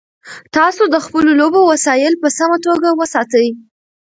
تاسو د خپلو لوبو وسایل په سمه توګه وساتئ.